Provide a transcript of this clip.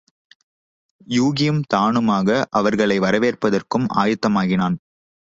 யூகியும் தானுமாக அவர்களை வரவேற்பதற்கும் ஆயத்தமாயினான்.